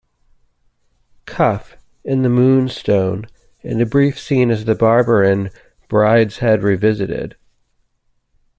Cuff in "The Moonstone" and a brief scene as the barber in "Brideshead Revisited".